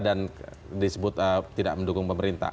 dan disebut tidak mendukung pemerintah